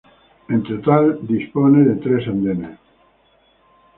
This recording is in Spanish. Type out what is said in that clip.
En total dispone de tres andenes.